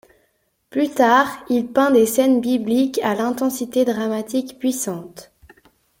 Plus tard, il peint des scènes bibliques à l'intensité dramatique puissante.